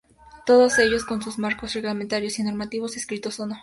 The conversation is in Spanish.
Todos ellos, con sus marcos reglamentarios y normativos, escritos o no.